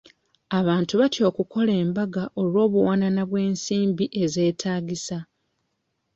Abantu batya okukola embaga olw'obuwanana bw'ensimbi ezeetaagisa.